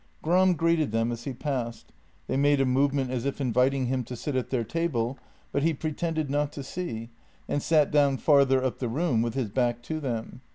Gram greeted them as he passed. They made a movement as if inviting him to sit at their table, but he pretended not to see, and sat down farther up the room with his back to them.